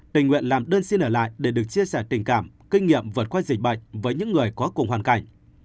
tình nguyện làm đơn xin ở lại để được chia sẻ tình cảm kinh nghiệm vượt qua dịch bệnh với những người có cùng hoàn cảnh